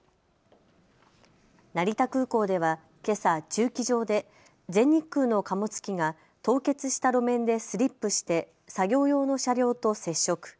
成田空港では、けさ駐機場で全日空の貨物機が凍結した路面でスリップして作業用の車両と接触。